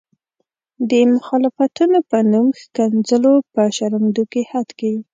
د مخالفتونو په نوم ښکنځلو په شرموونکي حد کې.